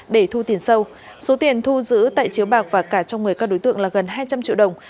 để thu tiền sâu số tiền thu giữ tại chiếu bạc và cả trong người các đối tượng là gần hai trăm linh triệu đồng